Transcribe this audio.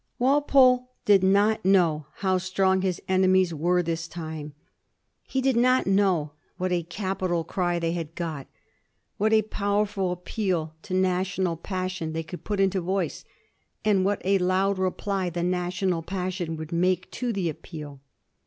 Walpole did not know how strong his enemies were this time. He did not know what a capital cry they had got, what a powerful appeal to national passion they could put into voice, and what a loud reply the national passion would make to the appeal.